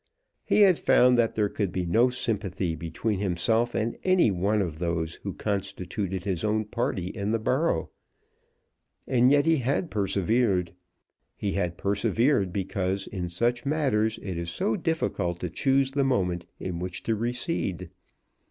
He had found that there could be no sympathy between himself and any one of those who constituted his own party in the borough. And yet he had persevered. He had persevered because in such matters it is so difficult to choose the moment in which to recede.